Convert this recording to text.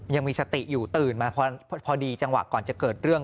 ยังมีสติอยู่ตื่นมาพอดีจังหวะก่อนจะเกิดเรื่อง